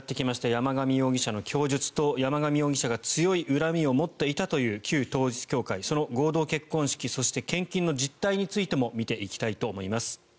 山上容疑者の供述と山上容疑者が強い恨みを持っていたという旧統一教会その合同結婚式そして、献金の実態についても見ていきたいと思います。